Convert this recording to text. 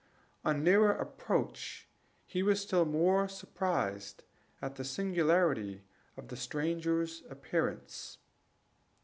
On nearer approach he was still more surprised at the singularity of the stranger's appearance.